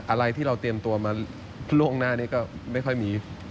อะไรที่เราเตรียมตัวมาล่วงหน้านี้ก็ไม่ค่อยมี